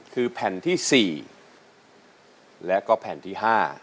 คือแผ่นที่๔แล้วก็แผ่นที่๕